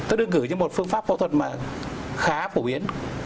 tức đương cử như một phương pháp phẫu thuật mà khá phổ biến